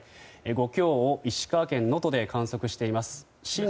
５強を石川県能登で観測しています。